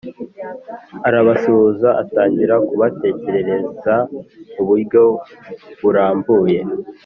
Arabasuhuza atangira kubatekerereza mu buryo burambuye